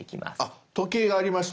時計がありました。